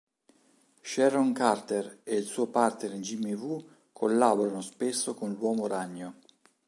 Sharon Carter ed il suo partner Jimmy Woo collaborano spesso con l'Uomo Ragno.